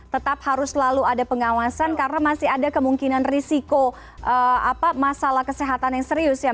tetap harus selalu ada pengawasan karena masih ada kemungkinan risiko masalah kesehatan yang serius ya